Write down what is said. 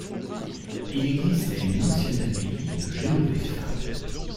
Il existait une ancienne abbaye de Génovéfains.